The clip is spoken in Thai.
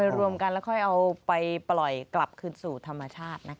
รวมกันแล้วค่อยเอาไปปล่อยกลับคืนสู่ธรรมชาติ